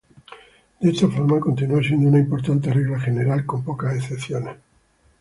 De esta forma, continúa siendo una importante regla general, con pocas excepciones.